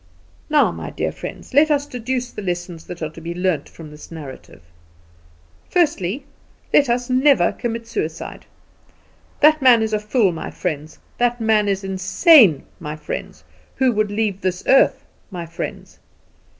"Now, my dear friends, let us deduce the lessons that are to be learnt from this narrative. "Firstly: let us never commit suicide. The man is a fool, my friends, that man is insane, my friends, who would leave this earth, my friends.